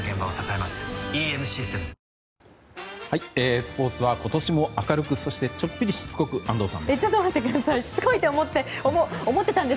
スポーツは今年も明るくそして、ちょっぴりしつこく安藤さんです。